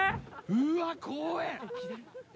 うわっ怖え！